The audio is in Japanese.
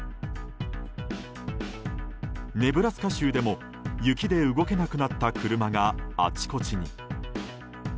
ネブラスカ州でも雪で動けなくなった車があちこちに。